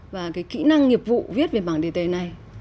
và kỹ năng nghiệp vụ viết về bảng đề tề này